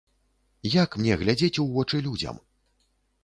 Як мне глядзець у вочы людзям?